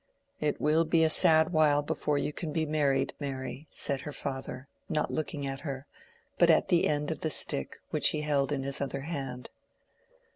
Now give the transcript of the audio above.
"It will be a sad while before you can be married, Mary," said her father, not looking at her, but at the end of the stick which he held in his other hand.